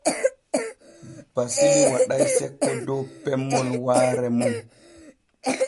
Basili waɗay sekko dow pemmol waare mum.